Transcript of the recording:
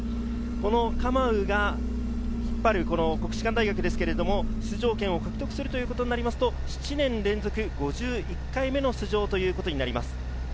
このカマウが引っ張る国士舘大学ですけれど、出場権を獲得するということになりますと７年連続５１回目の出場ということになります。